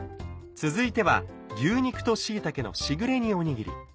続いては「牛肉と椎茸のしぐれ煮おにぎり」。